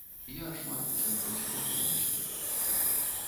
Я шмат у чым кансерватыўны чалавек.